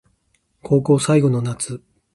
高校最後の夏